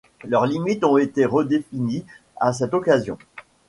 Leurs limites ont été redéfinies à cette occasion.